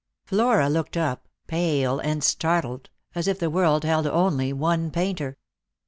Flora looked up, pale and startled, as if the world held only one painter.